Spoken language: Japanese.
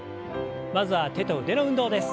まずは手と腕の運動です。